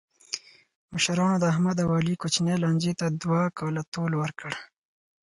مشرانو د احمد او علي کوچنۍ لانجې ته دوه کاله طول ورکړ.